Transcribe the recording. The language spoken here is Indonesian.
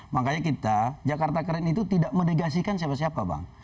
makanya kita jakarta keren itu tidak mendegasikan siapa siapa bang